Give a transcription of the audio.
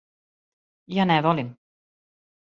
Ја не волим.